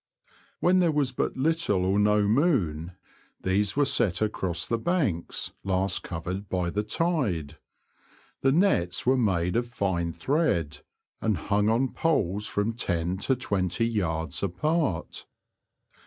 When there was but little or no moon these were set across the banks last covered by the tide. The nets were made of fine thread, and hung on poles from ten to twenty yards apart.